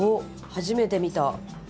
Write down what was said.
初めて見た！